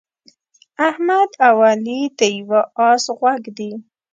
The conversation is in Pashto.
احمد او علي د یوه اس غوږ دي.